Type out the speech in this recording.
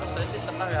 sesi senang ya